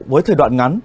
với thời đoạn ngắn